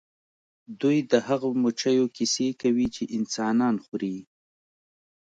دوی د هغو مچیو کیسې کوي چې انسانان خوري